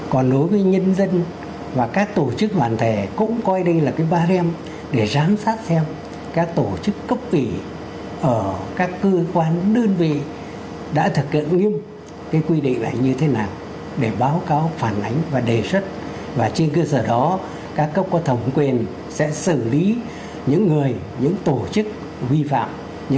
còn đối với nhân dân và các tổ chức hoàn thể cũng coi đây là cái ba rem để giám sát xem các tổ chức cấp vị ở các cơ quan đơn vị đã thực hiện nghiêm